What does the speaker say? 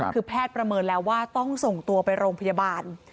คือแพทย์ประเมินแล้วว่าต้องส่งตัวไปโรงพยาบาล